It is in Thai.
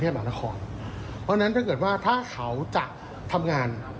เพราะฉะนั้นถ้าเกิดว่าถ้าเขาจะทำงาน